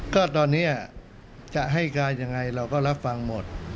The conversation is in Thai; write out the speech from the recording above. ก็ตอนนี้จะให้การยังไงเราก็รับฟังหมด